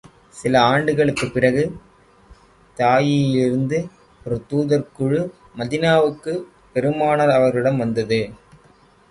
சில ஆண்டுகளுக்குப் பிறகு, தாயியிலிருந்து ஒரு தூதர் குழு மதீனாவுக்குப் பெருமானார் அவர்களிடம் வந்தது.